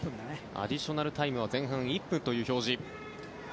アディショナルタイムは前半１分という表示。